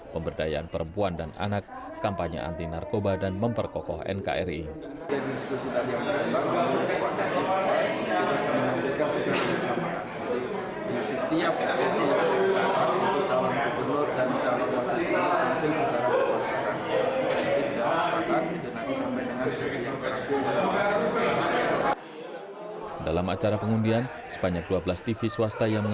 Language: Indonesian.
pemberdayaan perempuan dan anak kampanye anti narkoba dan memperkonsumsi